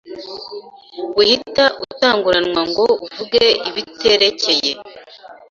wihita utanguranwa ngo uvuge ibiterekeye